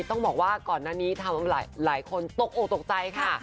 ต้องบอกว่าก่อนหน้านี้ทำหลายคนตกออกตกใจค่ะ